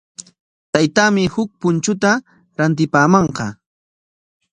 Taytaami huk punchuta rantipamanqa.